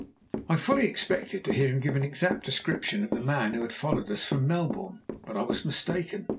I fully expected to hear him give an exact description of the man who had followed us from Melbourne, but I was mistaken.